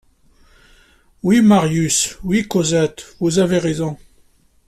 Oui, Marius, oui, Cosette, vous avez raison.